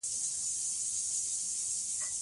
جلګه د افغانانو د اړتیاوو د پوره کولو وسیله ده.